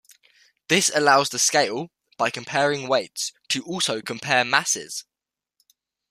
This allows the scale, by comparing weights, to also compare masses.